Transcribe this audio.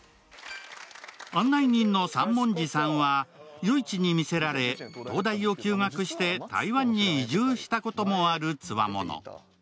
案内人の三文字さんは夜市に魅せられ東大を休学して台湾に移住したこともあるつわもの。